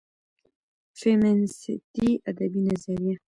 فيمينستى ادبى نظريه